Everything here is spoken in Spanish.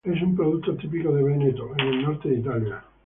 Es un producto típico de Veneto en el norte de Italia.